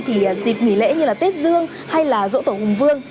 thì dịp nghỉ lễ như là tết dương hay là dỗ tổ hùng vương